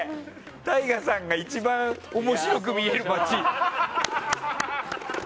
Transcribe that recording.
ＴＡＩＧＡさんが一番面白く見える街。